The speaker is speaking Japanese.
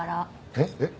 えっ？えっ？